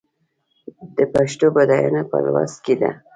د پښتو بډاینه په لوست کې ده.